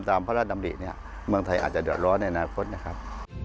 ตามพระราชดำริมันอาจจะเดิดล้อในอนาคตนะครับ